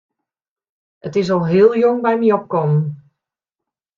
It is al heel jong by my opkommen.